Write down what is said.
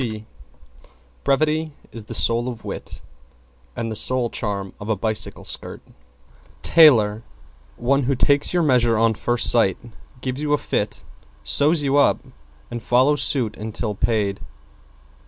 T Brevity is the soul of wit and the sole charm of of a bicycle skirt. =TAILOR= One who takes your measure on first sight, gives you a fit, sews you up and follows suit until paid.